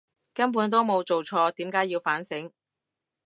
根本都冇做錯，點解要反省！